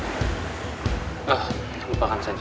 ayah udah ngajarin silat kakek di dalam goa gicah ya lupakan saja